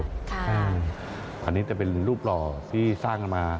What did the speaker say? เป็นภาษาอันนี้เป็นรูปรอที่สร้างกันมา